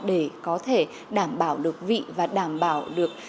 để có thể đảm bảo được vị và đảm bảo được